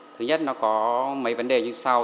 thứ nhất nó có mấy vấn đề như sau